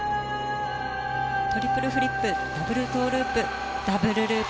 トリプルフリップダブルトウループダブルループ。